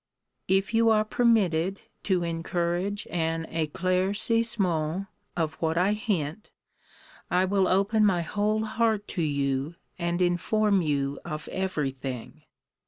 If you are permitted to encourage an eclaircissment of what I hint, I will open my whole heart to you, and inform you of every thing.